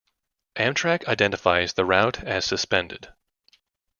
Amtrak identifies the route as suspended.